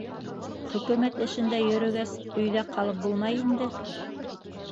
Хөкөмәт эшендә йөрөгәс, өйҙә ҡалып булмай инде!